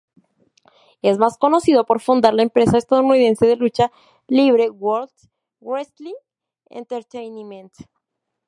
Es más conocido por fundar la empresa estadounidense de lucha libre World Wrestling Entertainment.